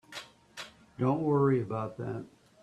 Don't worry about that.